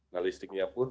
nah listriknya pun